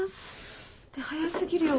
って早過ぎるよ。